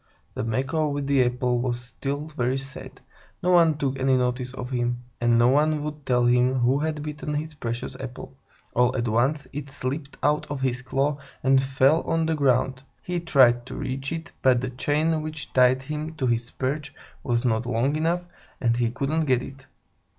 The Macaw with the apple was still very sad. No one took any notice of him, and no one would tell him who had bitten his precious apple. All at once, it slipped out of his claw and fell on to the ground. He tried to reach it, but the chain which tied him to his perch was not long enough, and he couldn't get it.